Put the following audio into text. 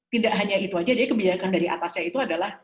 tidak hanya itu saja jadi kebijakan dari atasnya itu adalah